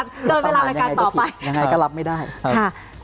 เดินเวลารายการต่อไปยังไงก็รับไม่ได้ค่ะ